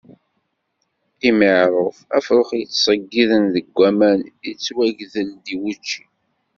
Imiɛṛuf, afṛux yettṣeggiden deg waman yettwagdel i wučči.